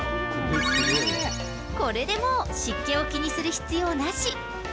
これでもう、湿気を気にする必要なし。